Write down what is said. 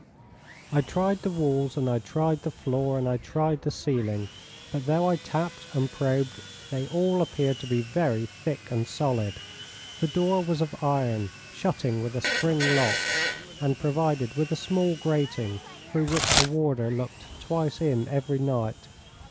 I tried the walls, and I tried the floor, and I tried the ceiling, but though I tapped and probed, they all appeared to be very thick and solid. The door was of iron, shutting with a spring lock, and provided with a small grating, through which a warder looked twice in every night.